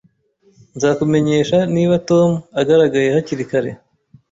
Nzakumenyesha niba Tom agaragaye hakiri kare